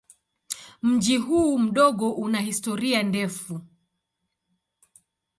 Mji huu mdogo una historia ndefu.